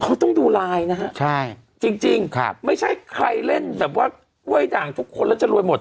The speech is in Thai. เขาต้องดูไลน์นะฮะใช่จริงครับไม่ใช่ใครเล่นแบบว่ากล้วยด่างทุกคนแล้วจะรวยหมด